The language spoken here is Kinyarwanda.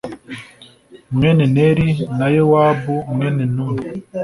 mwene neri na yowabu mwene nuni